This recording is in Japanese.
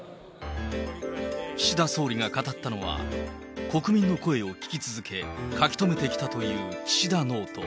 岸田総理が語ったのは、国民の声を聞き続け、書き留めてきたという岸田ノート。